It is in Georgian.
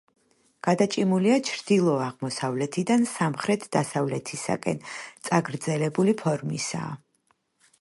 გადაჭიმულია ჩრდილო-აღმოსავლეთიდან სამხრეთ-დასავლეთისაკენ; წაგრძელებული ფორმისაა.